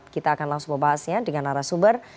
kita akan langsung membahasnya dengan arah sumber